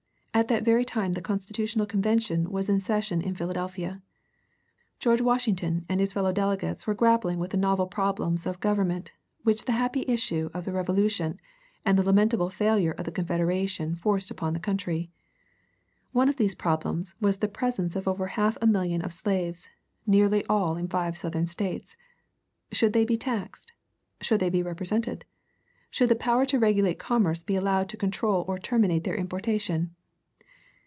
At that very time the constitutional convention was in session in Philadelphia. George Washington and his fellow delegates were grappling with the novel problems of government which the happy issue of the Revolution and the lamentable failure of the Confederation forced upon the country. One of these problems was the presence of over half a million of slaves, nearly all in five Southern States. Should they be taxed? Should they be represented? Should the power to regulate commerce be allowed to control or terminate their importation?